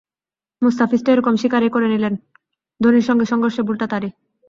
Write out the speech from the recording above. মুস্তাফিজ তো একরকম স্বীকারই করে নিলেন, ধোনির সঙ্গে সংঘর্ষে ভুলটা তাঁরই।